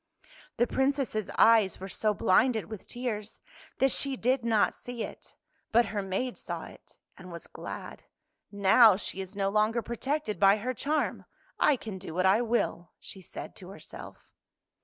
The Princess' eyes were so blinded with tears that she did not see it, but her maid saw it, and was glad. " Now she is no longer protected by her charm, I can do what I will," she said to herself.